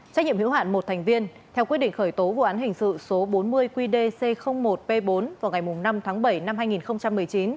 trách nhiệm hữu hạn một thành viên theo quyết định khởi tố vụ án hình sự số bốn mươi qdc một p bốn vào ngày năm tháng bảy năm hai nghìn một mươi chín